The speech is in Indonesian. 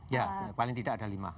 ya paling tidak ada lima